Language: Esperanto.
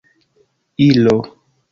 ilo